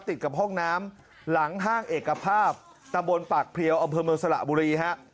ติดกับห้องน้ำหลังห้างเอกภาพตำบลปากเพลียวอำเภอเมืองสระบุรีฮะ